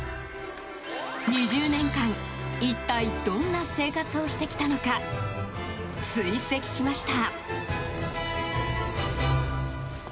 ２０年間一体どんな生活をしてきたのか追跡しました。